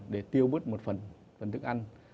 để tiêu bứt một phần thức ăn